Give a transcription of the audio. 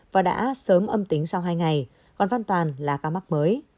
và đã sớm âm tính sau hai ngày còn văn toàn là ca mắc mới